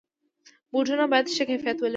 بوټونه باید ښه کیفیت ولري.